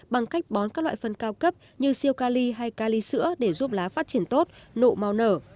bằng cách bón các loại phân cao cấp như siêu ca ly hay ca ly sữa để giúp lá phát triển tốt nụ màu màu nở